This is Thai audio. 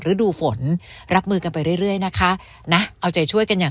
ฤดูฝนรับมือกันไปเรื่อยเรื่อยนะคะนะเอาใจช่วยกันอย่าง